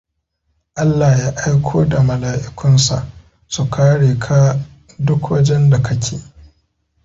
Allah Ya aiko da malaʻikunSa su kare ka duk wajenda ka ke.